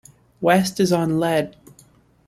West is on lead.